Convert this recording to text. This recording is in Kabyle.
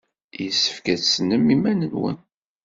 Yessefk ad tessnem iman-nwen.